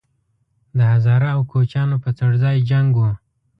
د هزاره او کوچیانو په څړځای جنګ وو